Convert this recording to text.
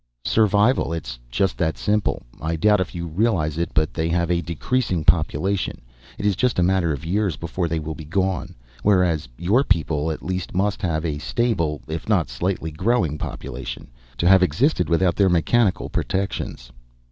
"Survival it's just that simple. I doubt if you realize it, but they have a decreasing population. It is just a matter of years before they will be gone. Whereas your people at least must have a stable if not slightly growing population to have existed without their mechanical protections.